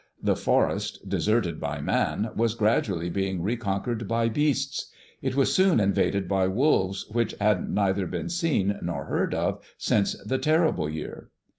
The forest, deserted by man, was gradually being reconquered by beasts. It was soon invaded by wolves, which had neither been seen nor heard of since the Terrible year.